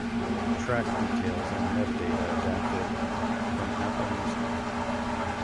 Track details and metadata adapted from Apple Music.